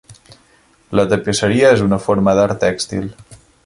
La tapisseria és una forma d'art tèxtil.